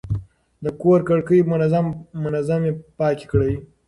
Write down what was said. د کور کړکۍ منظم پاکې کړئ.